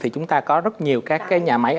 thì chúng ta có rất nhiều các nhà máy